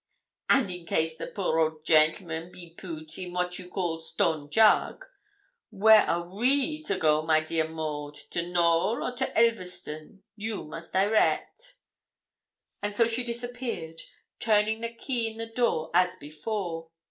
'And in case the poor old gentleman be poot in what you call stone jug, where are we to go my dear Maud to Knowl or to Elverston? You must direct.' And so she disappeared, turning the key in the door as before.